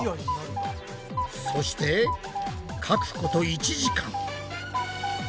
そしてかくこと１時間。